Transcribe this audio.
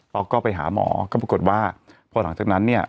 เราก็ไปหาหมอก็ปรากฏว่าพอหลังจากนั้นเนี่ย